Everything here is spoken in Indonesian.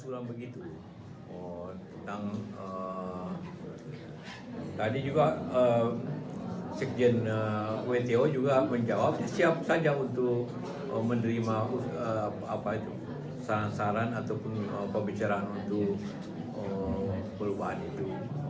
wto juga menjawab siap saja untuk menerima saran saran ataupun pembicaraan untuk perubahan itu